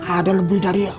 ada lebih dari empat puluh